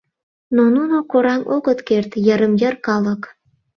Но нуно кораҥ огыт керт: йырым-йыр калык.